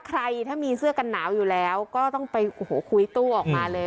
ใครถ้ามีเสื้อกันหนาวอยู่แล้วก็ต้องไปโอ้โหคุยตู้ออกมาเลย